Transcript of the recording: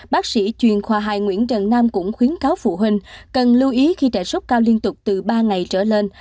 bác sĩ chuyên khoa hai nguyễn trần nam cũng khuyến cáo phụ huynh cần lưu ý khi trẻ sốt cao liên tục từ ba ngày trở lên